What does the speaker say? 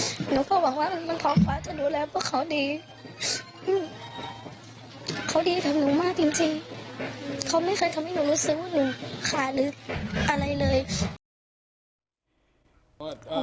เขาดีถึงหนูมากจริงเขาไม่เคยทำให้หนูรู้สึกว่าหนูขาดหรืออะไรเลย